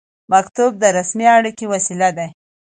مکتوب د رسمي اړیکې وسیله ده